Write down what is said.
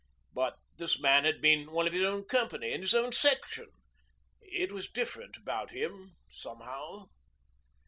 But this man had been one of his own company and his own section it was different about him somehow.